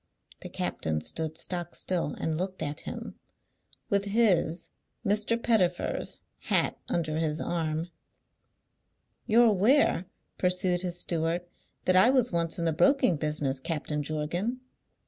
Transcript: The captain stood stock still and looked at him, with his (Mr. Pettifer's) hat under his arm. "You're aware," pursued his steward, "that I was once in the broking business, Captain Jorgan?"